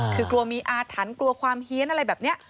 คือกลัวมีอาถรรพ์กลัวความเฮียนอะไรแบบนี้